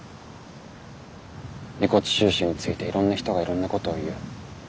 「遺骨収集についていろんな人がいろんなことを言う。